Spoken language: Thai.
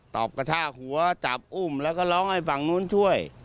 อบกระชากหัวจับอุ้มแล้วก็ร้องให้ฝั่งนู้นช่วย